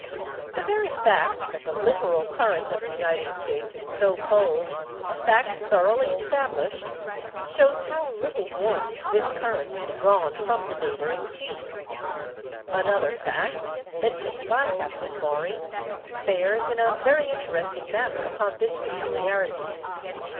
The very fact that the littoral current of the United States is so cold—a fact thoroughly established—shows how little warmth this current has drawn from the neighbouring seas. Another fact, mentioned by Captain Maury, bears in a very interesting manner upon this peculiarity.